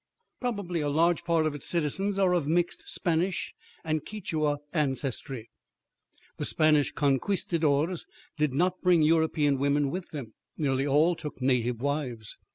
Probably a large part of its citizens are of mixed Spanish and Quichua ancestry. The Spanish conquistadores did not bring European women with them. Nearly all took native wives.